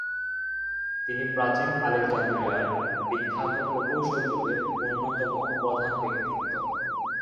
তিনি প্রাচীন আলেকজান্দ্রিয়ার বিখ্যাত প্রকৌশল যুগের অন্যতম প্রধান ব্যক্তিত্ব।